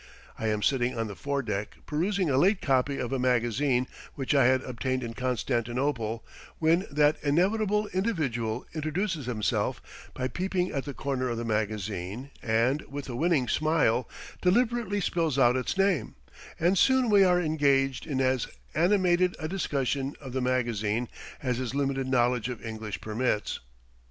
I am sitting on the foredeck perusing a late copy of a magazine which I had obtained in Constantinople, when that inevitable individual introduces himself by peeping at the corner of the magazine, and, with a winning smile, deliberately spells out its name; and soon we are engaged in as animated a discussion of the magazine as his limited knowledge of English permits.